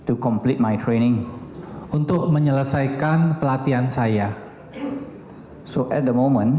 untuk menyelesaikan pelatihan saya